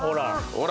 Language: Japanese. ほら。